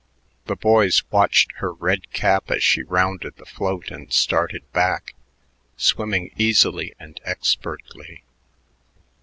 The boys watched her red cap as she rounded the float and started back, swimming easily and expertly.